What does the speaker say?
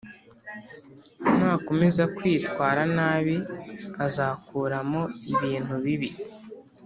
nakomeza kwitwara nabi azakuramo ibintu bibi